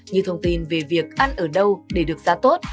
như thông tin về việc ăn ở đâu để được giá tốt